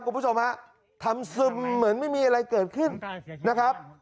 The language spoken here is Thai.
คุณผู้ชมฮะทำซึมเหมือนไม่มีอะไรเกิดขึ้นนะครับ